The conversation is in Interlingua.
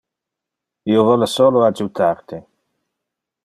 Io vole solo adjutar te.